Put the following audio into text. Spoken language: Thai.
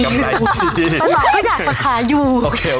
ประมาณก็อยากจะขายอยู่